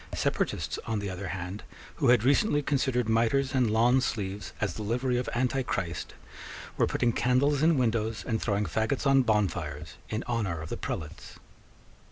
Separatists, on the other hand, who had recently considered mitres and lawn sleeves as the livery of Antichrist, were putting candles in windows and throwing faggots on bonfires in honour of the prelates.